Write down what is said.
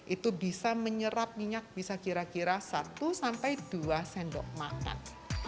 itu bisa menyerap minyak bisa kira kira satu sampai dua sendok makan